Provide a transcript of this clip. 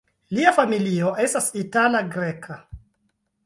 Lia familio estas itala-greka.